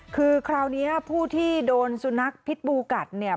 คือคราวนี้ผู้ที่โดนสุนัขพิษบูกัดเนี่ย